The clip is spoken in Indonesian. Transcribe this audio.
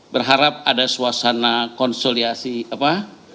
berharap ada suasana konsoliasi apa